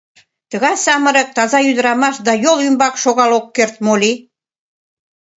Тыгай самырык, таза ӱдырамаш да йол ӱмбак шогал ок керт моли?